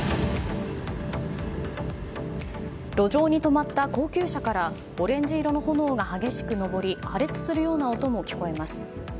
路上に止まった高級車からオレンジ色の炎が激しく上り破裂するような音も聞こえます。